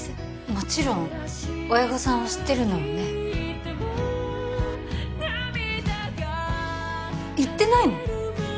もちろん親御さんは知ってるのよね言ってないの？